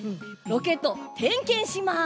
ロケットてんけんします！